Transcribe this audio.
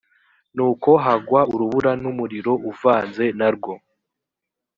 nuko hagwa urubura n’umuriro uvanze na rwo